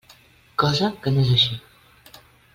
Cosa que no és així.